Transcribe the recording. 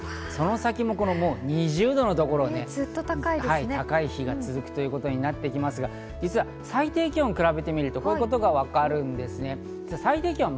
その先も２０度のところ、高い日が続くということになっていますが、実は最低気温を比べてみると、こういうことがわかるんですね。